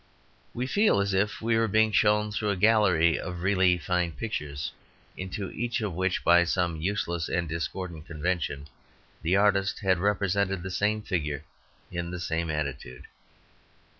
We feel as if we were being shown through a gallery of really fine pictures, into each of which, by some useless and discordant convention, the artist had represented the same figure in the same attitude.